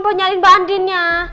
buat nyari mbak andinnya